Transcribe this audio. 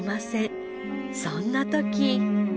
そんな時。